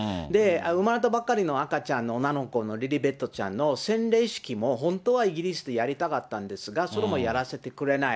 生まれたばっかりの赤ちゃんの女の子のリリベットちゃんの洗礼式も本当はイギリスでやりたかったんですが、それもやらせてくれない。